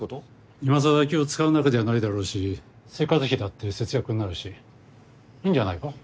今さら気を遣う仲じゃないだろうし生活費だって節約になるしいいんじゃないか？